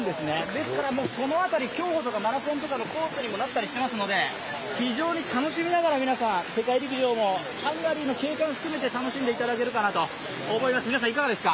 ですからこの辺り、競歩とかマラソンのコースにもなったりしてますので、非常に楽しみながら皆さん世界陸上もハンガリーの景観を含めて楽しんでいただけるかなと思います。